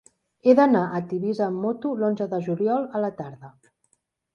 He d'anar a Tivissa amb moto l'onze de juliol a la tarda.